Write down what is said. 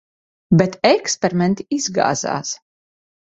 Bet eksperimenti izgāzās.